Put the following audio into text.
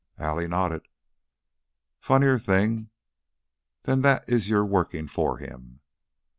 Allie nodded. "Funnier thing than that is your working for him."